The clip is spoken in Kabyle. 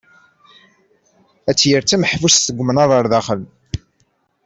Ad tt-yerr d tameḥbust seg umnar ɣer daxel.